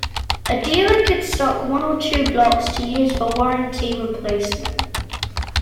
A dealer could stock one or two blocks to use for warranty replacement.